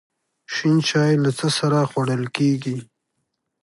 شین چای له څه سره خوړل کیږي؟